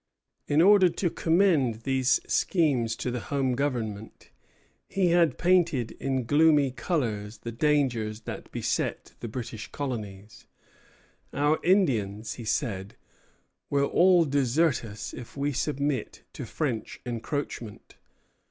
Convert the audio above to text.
In order to commend these schemes to the Home Government, he had painted in gloomy colors the dangers that beset the British colonies. Our Indians, he said, will all desert us if we submit to French encroachment.